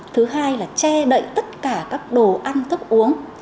thứ hai là che đậy tất cả các đồ ăn thức uống